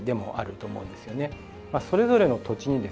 それぞれの土地にですね